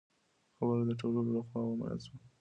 خبره د ټولو له خوا ومنل شوه.